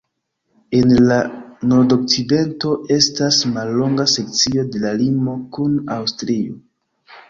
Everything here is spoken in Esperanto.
En la nordokcidento estas mallonga sekcio de la limo kun Aŭstrio.